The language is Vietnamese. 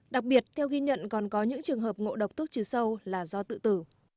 đặc biệt theo ghi nhận còn có những trường hợp ngộ độc thuốc trừ sâu là do tự tử